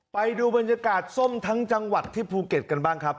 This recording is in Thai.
ไปดูบรรยากาศส้มทั้งจังหวัดที่ภูเก็ตกันบ้างครับ